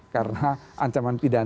karena ancaman pidana